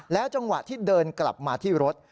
จังหวะที่เดินกลับมาที่รถ